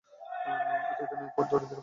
এত দিনের পর দরিদ্রের কুটিরে যে পদার্পণ হইল?